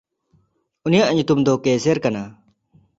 ᱩᱱᱤᱭᱟᱜ ᱧᱩᱛᱩᱢ ᱫᱚ ᱠᱮᱭᱥᱮᱨ ᱠᱟᱱᱟ᱾